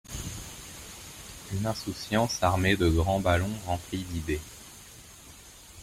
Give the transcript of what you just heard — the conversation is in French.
Une insouciance armée de grands ballons remplis d’idées.